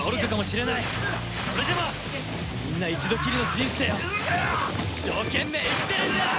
それでもみんな一度きりの人生を一生懸命生きてるんだ！